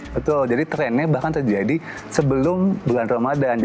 betul jadi trennya bahkan terjadi sebelum bulan ramadan